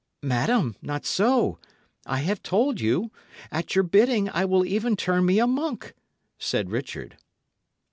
"Madam, not so. I have told you; at your bidding, I will even turn me a monk," said Richard.